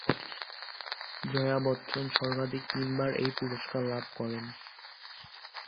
জয়া বচ্চন সর্বাধিক তিনবার এই পুরস্কার লাভ করেন।